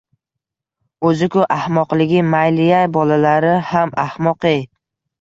O`zi-ku ahmoqligi mayli-ya, bolalari ham ahmoq-ey